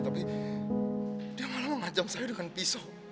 tapi dia malah mengancam saya dengan pisau